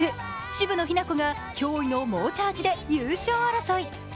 アメリカ女子ゴルフ渋野日向子が驚異の猛チャージで優勝争い。